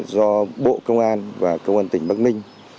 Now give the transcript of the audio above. do bộ công an và công an tỉnh bắc ninh